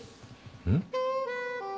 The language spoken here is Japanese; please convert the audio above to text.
うん？